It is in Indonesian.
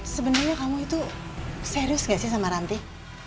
sebenarnya kamu serius tidak bersama rantih